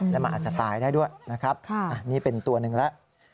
แล้วมันอาจจะตายได้ด้วยนะครับนี่เป็นตัวหนึ่งแล้ว